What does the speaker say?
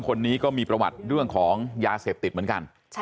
คนนี้ก็มีประวัติเรื่องของยาเสพติดเหมือนกัน